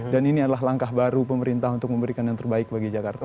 ini adalah langkah baru pemerintah untuk memberikan yang terbaik bagi jakarta